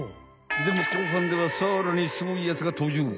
でも後半ではさらにスゴいやつが登場！